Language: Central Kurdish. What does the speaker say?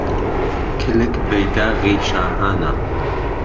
کلک بهيداغی شاهانه